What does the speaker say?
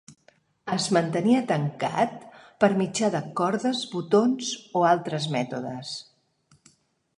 Es mantenia tancat per mitjà de cordes, botons o altres mètodes.